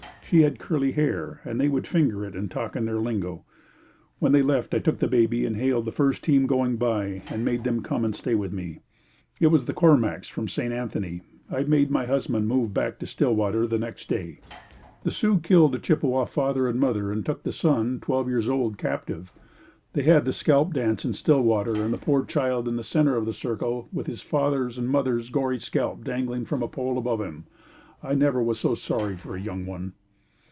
She had curly hair and they would finger it and talk in their lingo. When they left I took the baby and hailed the first team going by and made them come and stay with me. It was the Cormacks from St. Anthony. I made my husband move back to Stillwater the next day. The Sioux killed a Chippewa father and mother and took the son, twelve years old, captive. They had the scalp dance in Stillwater and had the poor child in the center of the circle with his father's and mother's gory scalps dangling from the pole above him. I never was so sorry for a young one.